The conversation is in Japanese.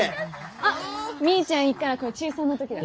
あっみーちゃんいっからこれ中３の時だ。